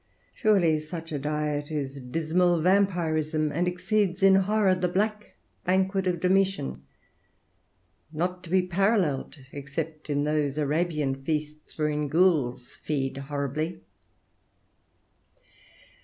Surely, such diet is dismal vampirism, and exceeds in horror the black banquet of Domitian, not to be paralleled except in those Arabian feasts, wherein Ghoules feed horribly.